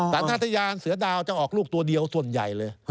สันทยานเสือดาวจะออกลูกตัวเดียวส่วนใหญ่เลย